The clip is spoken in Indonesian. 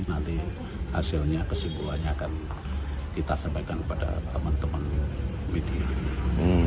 nanti hasilnya kesimpulannya akan kita sampaikan kepada teman teman media